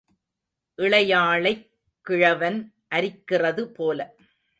இளையாளைக் கிழவன் அரிக்கிறது போல.